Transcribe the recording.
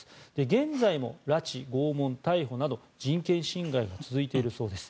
現在も拉致、拷問、逮捕など人権侵害が続いているそうです。